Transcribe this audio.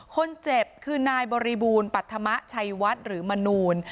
คนเจ็บคือนายบริบูรณ์ปัธมะชัยวัดหรือมนูล